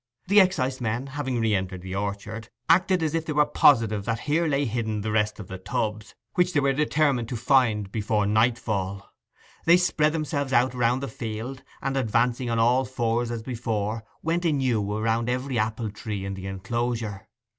The excisemen, having re entered the orchard, acted as if they were positive that here lay hidden the rest of the tubs, which they were determined to find before nightfall. They spread themselves out round the field, and advancing on all fours as before, went anew round every apple tree in the enclosure.